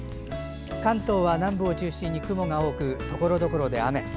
関東は南部を中心に雲が多くところどころで雨。